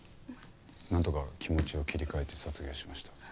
なんとか気持ちを切り替えて卒業しました。